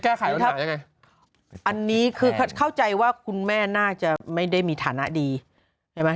จะแก้ไขตัวเนี้ยยังไงอันนี้คือเข้าใจว่าคุณแม่น่าจะไม่ได้มีฐานะดีใช่ไหม